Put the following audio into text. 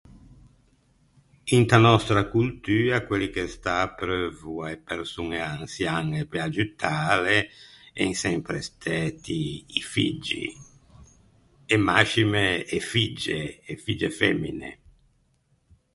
Inta nòstra coltua quelli che stà apreuvo a-e persoñe ançiañe pe aggiuttâle en sempre stæti i figgi e mascime e figge, e figge femine.